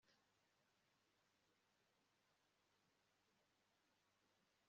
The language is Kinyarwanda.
kwiha uruhu rw'ingwe utarayica kwizera icyo